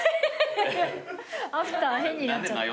アフター変になっちゃった。